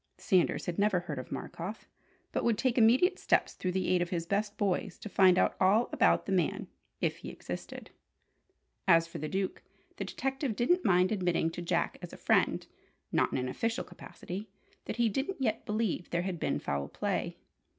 Sanders had never heard of Markoff, but would take immediate steps through the aid of his "best boys" to find out all about the man if he existed! As for the Duke, the detective didn't mind admitting to Jack as a friend not in an official capacity that he didn't yet believe there had been foul play.